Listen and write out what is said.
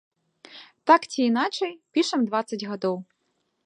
Так ці іначай, пішам дваццаць гадоў.